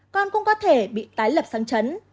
con cũng có thể bị tái lập sáng chấn